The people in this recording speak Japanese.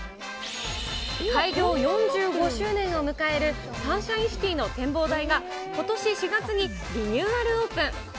開業４５周年を迎えるサンシャインシティの展望台が、ことし４月にリニューアルオープン。